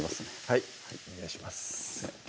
はいお願いします